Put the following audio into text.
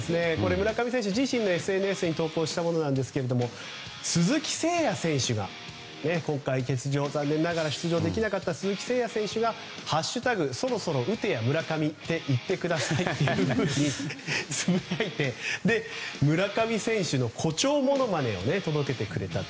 村上選手自身のＳＮＳに投稿したものなんですけど鈴木誠也選手が今回、欠場で残念ながら出場できなかった村上選手が「＃そろそろ打てや村上」って言ってくださいってつぶやいて村上選手の誇張ものまねを届けてくれたと。